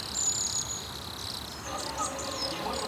Sus obras trataban desde temas religiosos a cuestiones de carga social.